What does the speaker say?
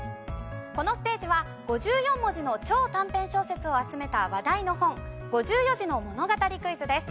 このステージは５４文字の超短編小説を集めた話題の本５４字の物語クイズです。